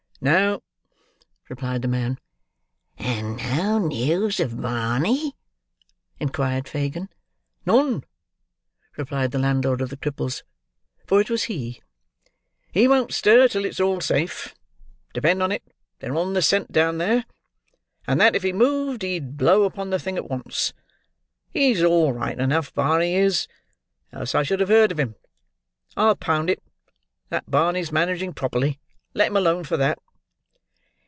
"No," replied the man. "And no news of Barney?" inquired Fagin. "None," replied the landlord of the Cripples; for it was he. "He won't stir till it's all safe. Depend on it, they're on the scent down there; and that if he moved, he'd blow upon the thing at once. He's all right enough, Barney is, else I should have heard of him. I'll pound it, that Barney's managing properly. Let him alone for that."